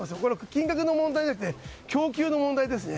金額の問題じゃなくて供給の問題ですね。